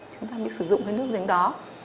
chúng ta mới sử dụng cái nước giếng đó